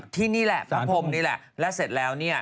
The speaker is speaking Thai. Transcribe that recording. ที่นี่แหละพระพรมนี่แหละแล้วเสร็จแล้วเนี่ย